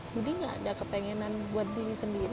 budi gak ada kepengenan buat diri sendiri